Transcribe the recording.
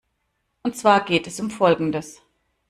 Und zwar geht es um Folgendes.